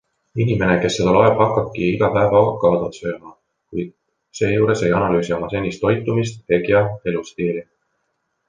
Inimene, kes seda loeb, hakkabki iga päev avokaadot sööma, kuid seejuures ei analüüsi oma senist toitumist egja elustiili.